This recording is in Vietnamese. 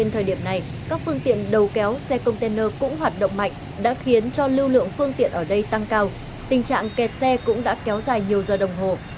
thời điểm này các phương tiện đầu kéo xe container cũng hoạt động mạnh đã khiến cho lưu lượng phương tiện ở đây tăng cao tình trạng kẹt xe cũng đã kéo dài nhiều giờ đồng hồ